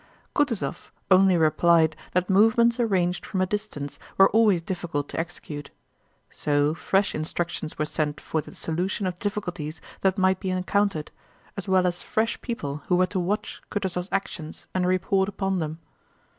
Kutúzov only replied that movements arranged from a distance were always difficult to execute. So fresh instructions were sent for the solution of difficulties that might be encountered, as well as fresh people who were to watch Kutúzov's actions and report upon them.